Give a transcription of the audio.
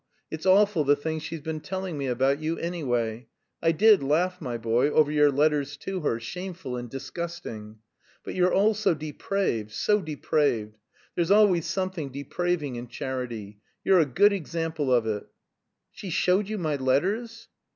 It's awful the things she's been telling me about you, anyway. I did laugh, my boy, over your letters to her; shameful and disgusting. But you're all so depraved, so depraved! There's always something depraving in charity you're a good example of it!" "She showed you my letters!"